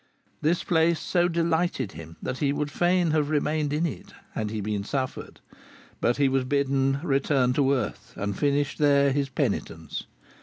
This place so delighted him that he would fain have remained in it had he been suffered, but he was bidden return to earth and finish there his penitence.